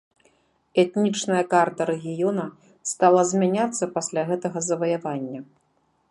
Этнічная карта рэгіёна стала змяняцца пасля гэтага заваявання.